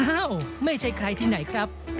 อ้าวไม่ใช่ใครที่ไหนครับ